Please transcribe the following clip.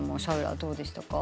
どうでしたか？